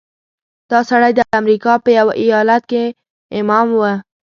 دا سړی د امریکا په یوه ایالت کې امام و.